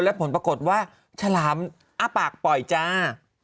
และผลปรากฏว่าฉลามอ้าปากปล่อยจ้า